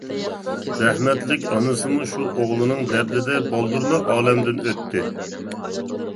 رەھمەتلىك ئانىسىمۇ شۇ ئوغلىنىڭ دەردىدە بالدۇرلا ئالەمدىن ئۆتتى.